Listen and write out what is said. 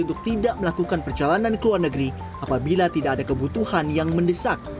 untuk tidak melakukan perjalanan ke luar negeri apabila tidak ada kebutuhan yang mendesak